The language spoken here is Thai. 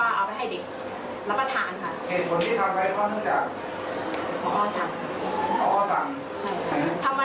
รอกชิมไหมครับอ่าชิมค่ะ